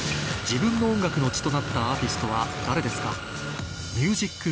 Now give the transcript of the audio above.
自分の音楽の血となったアーティストは誰ですか？